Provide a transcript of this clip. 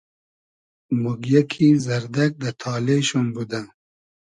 موگیۂ کی زئردئگ دۂ تالې شوم بودۂ